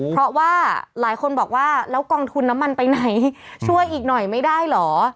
เพราะว่าหลายคนบอกว่าแล้วกองทุนน้ำมันไปไหนช่วยอีกหน่อยไม่ได้เหรอ